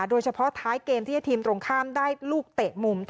โดยเฉพาะท้ายเกมที่ให้ทีมตรงข้ามได้ลูกเตะมุม